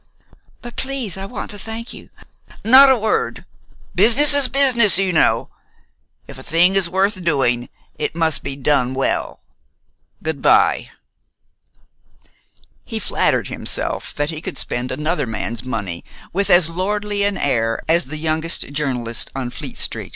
"But, please, I want to thank you " "Not a word! Business is business, you know. If a thing is worth doing, it must be done well. Good by!" He flattered himself that he could spend another man's money with as lordly an air as the youngest journalist on Fleet st.